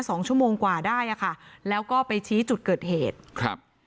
สองชั่วโมงกว่าได้อ่ะค่ะแล้วก็ไปชี้จุดเกิดเหตุครับ